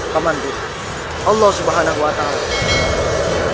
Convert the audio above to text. paman allah subhanahu wa ta'ala